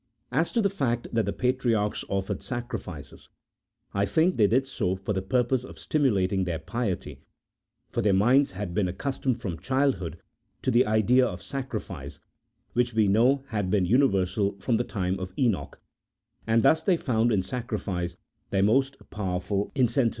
As to the fact that the patriarchs offered sacrifices, I think they did so for the purpose of stimulating their piety, for their minds had been accustomed from childhood to the idea of sacrifice, which we know had been universal from the time of Enoch ; and thus they found in sacrifice their most powerful incentive.